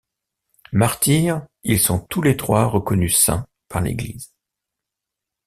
Martyrs, ils sont tous les trois reconnus saints par l'Église.